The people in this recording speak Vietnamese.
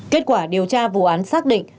kết quả điều tra vụ án xác định